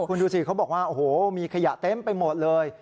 คุณดูสิเขาบอกว่าโอ้โหมีขยะเต็มไปหมดเลย